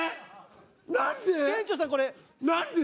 何で？